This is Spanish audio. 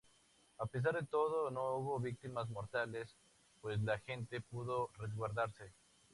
A pesar de todo no hubo víctimas mortales, pues la gente pudo resguardarse.